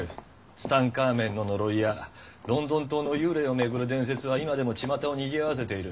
「ツタンカーメンの呪い」や「ロンドン塔の幽霊」をめぐる伝説は今でも巷を賑わわせている。